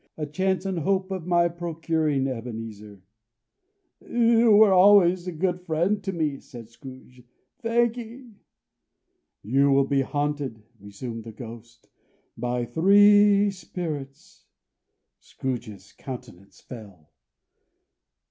A chance and hope of my procuring, Ebenezer." "You were always a good friend to me," said Scrooge. "Thank'ee!" "You will be haunted," resumed the Ghost, "by Three Spirits." Scrooge's countenance fell.